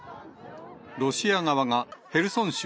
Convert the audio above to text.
ロシア側がヘルソン州